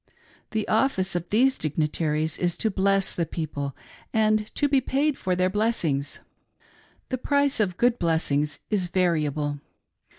The office of these dignitaries is to bless the people and to be paid for their blessings. The price of good blessings is variable.